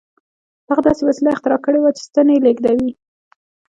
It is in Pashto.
هغه داسې وسیله اختراع کړې وه چې ستنې لېږدولې